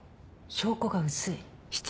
証拠が薄い。